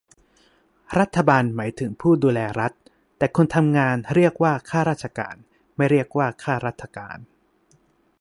รัฐบาล หมายถึงผู้ดูแลรัฐ แต่คนทำงาน เรียกว่าข้าราชการ ไม่เรียกว่าข้ารัฐการ